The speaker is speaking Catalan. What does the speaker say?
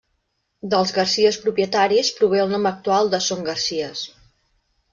Dels Garcies propietaris prové el nom actual de Son Garcies.